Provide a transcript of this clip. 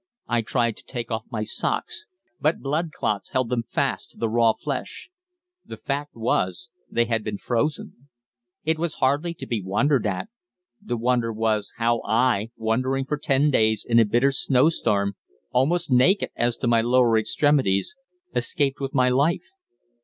I tried to take off my socks, but blood clots held them fast to the raw flesh. The fact was, they had been frozen. It was hardly to be wondered at the wonder was, how I, wandering for ten days in a bitter snowstorm almost naked as to my lower extremities, escaped with my life.